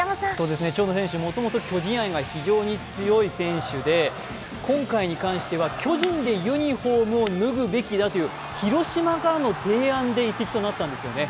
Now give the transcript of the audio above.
長野選手、もともと巨人愛が非常に強い選手で、今回に関しては巨人でユニフォームを脱ぐべきだという広島からの提案で移籍となったんですよね。